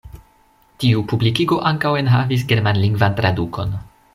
Tiu publikigo ankaŭ enhavis germanlingvan tradukon.